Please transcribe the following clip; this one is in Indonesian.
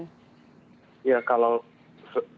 ya kalau mungkin kalau untuk sekarang